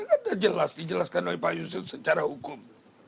ada jelas dijelaskan oleh pak yusuf secara hukum